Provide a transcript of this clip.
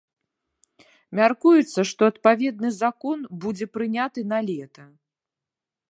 Мяркуецца, што адпаведны закон будзе прыняты налета.